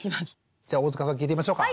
じゃあ大塚さん聞いてみましょうか。